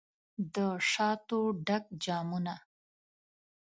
دشاتو ډک جامونه